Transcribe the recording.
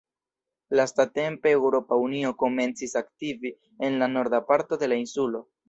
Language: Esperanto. Lastatempe Eŭropa Unio komencis aktivi en la norda parto de la insulo.